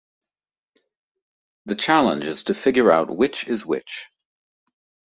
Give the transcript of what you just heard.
The challenge is to figure out which is which.